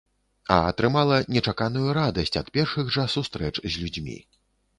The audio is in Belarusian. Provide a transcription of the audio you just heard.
А атрымала нечаканую радасць ад першых жа сустрэч з людзьмі.